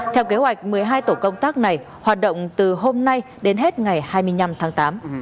theo kế hoạch một mươi hai tổ công tác này hoạt động từ hôm nay đến hết ngày hai mươi năm tháng tám